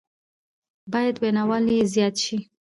بايد ويناوال يې زياد شي